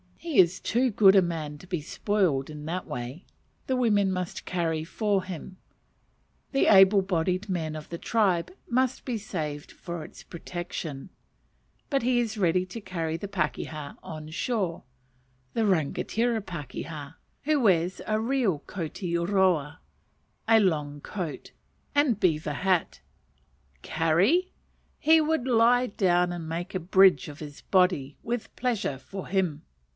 He is too good a man to be spoiled in that way; the women must carry for him; the able bodied men of the tribe must be saved for its protection; but he is ready to carry the pakeha on shore the rangatira pakeha who wears a real koti roa (a long coat) and beaver hat! Carry! He would lie down and make a bridge of his body, with pleasure, for him.